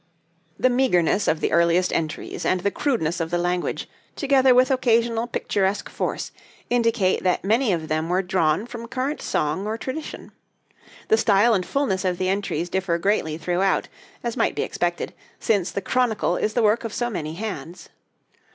The meagreness of the earliest entries and the crudeness of the language, together with occasional picturesque force, indicate that many of them were drawn from current song or tradition. The style and fullness of the entries differ greatly throughout, as might be expected, since the 'Chronicle' is the work of so many hands.